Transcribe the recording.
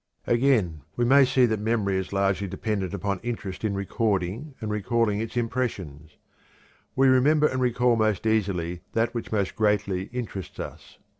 Again, we may see that memory is largely dependent upon interest in recording and recalling its impressions. We remember and recall most easily that which most greatly interests us.